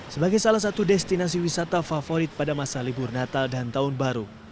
sebagai salah satu destinasi wisata favorit pada masa libur natal dan tahun baru